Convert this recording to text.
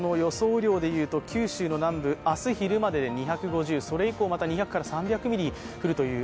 雨量で言うと、九州南部明日昼までに２５０ミリ、それ以降、また２００から３００ミリ降るという。